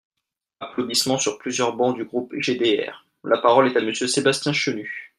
(Applaudissements sur plusieurs bancs du groupe GDR.) La parole est à Monsieur Sébastien Chenu.